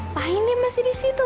pak hini masih disitu